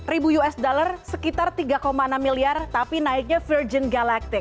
dua ratus lima puluh ribu usd sekitar tiga enam miliar tapi naiknya virgin galactic